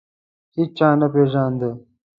هیچا نه پېژاند.